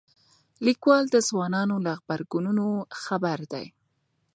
لیکوال د ځوانانو له غبرګونونو خبر دی.